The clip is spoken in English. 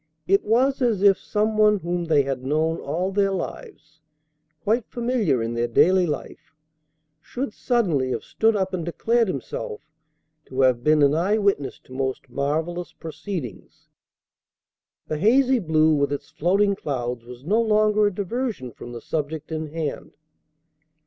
It was as if some one whom they had known all their lives, quite familiar in their daily life, should suddenly have stood up and declared himself to have been an eye witness to most marvellous proceedings. The hazy blue with its floating clouds was no longer a diversion from the subject in hand.